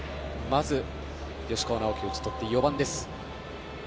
まず吉川尚輝を打ち取って４番です。